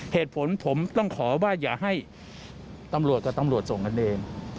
เหตุผลผมต้องขอว่าอย่าให้ตำรวจกับตำรวจส่งกันเอง